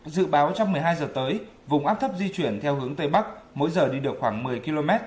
dự báo trong một mươi hai giờ tới vùng áp thấp di chuyển theo hướng tây bắc mỗi giờ đi được khoảng một mươi km